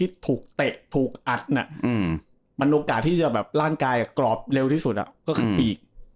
ที่ถูกเตะถูกอัดมันโอกาสที่จะแบบร่างกายกรอบเร็วที่สุดก็คือปีก